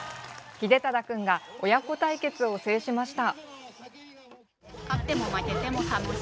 秀忠君が親子対決を制しました。